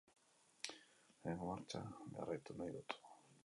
Lehengo martxa jarraitu nahi dut.